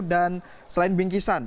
dan selain bingkisan